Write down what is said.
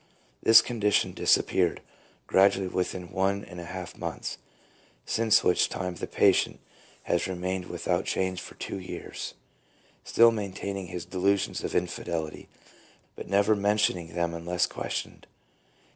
This condition disappeared gradually, within one and a half months, since which time the patient has re mained without change for two years, still maintain ing his delusions of infidelity, but never mentioning them unless questioned.